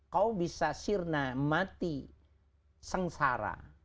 kau bisa sirna mati sengsara